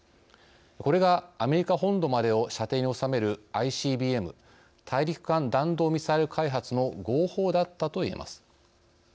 これが、アメリカ本土までを射程に収めるＩＣＢＭ＝大陸間弾道ミサイル開発の号砲だったといえます。